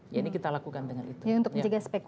ya ini kita lakukan dengan itu